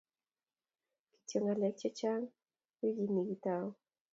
kitooy ngalek chechang weekit nii kigitau